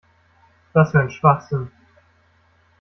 Was für ein Schwachsinn!